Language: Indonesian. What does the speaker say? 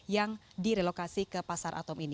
yang direlokasi ke pasar atom ini